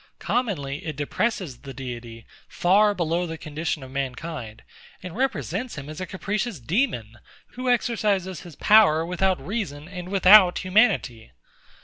Commonly, it depresses the Deity far below the condition of mankind; and represents him as a capricious DEMON, who exercises his power without reason and without humanity!